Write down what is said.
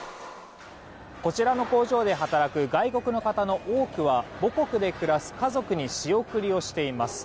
こちらの工場で働く外国の方の多くは母国で暮らす家族に仕送りをしています。